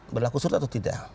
berlaku surut atau tidak